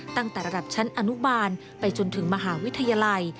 ตั้งแต่ระดับชั้นอนุบาลไปจนถึงมหาวิทยาลัย